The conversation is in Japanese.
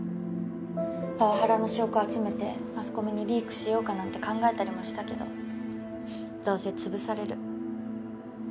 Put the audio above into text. パワハラの証拠集めてマスコミにリークしようかなんて考えたりもしたけどどうせ潰される。